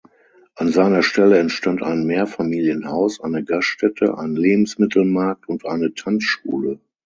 An seiner Stelle entstand ein Mehrfamilienhaus, eine Gaststätte, ein Lebensmittelmarkt und eine Tanzschule.